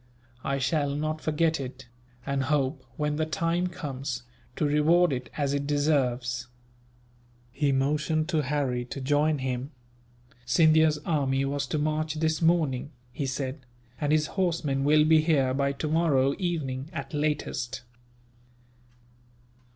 I shall not forget it; and hope, when the time comes, to reward it as it deserves." He motioned to Harry to join him. "Scindia's army was to march this morning," he said, "and his horsemen will be here by tomorrow evening, at latest."